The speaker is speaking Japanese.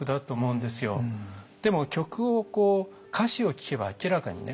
でも曲をこう歌詞を聞けば明らかにね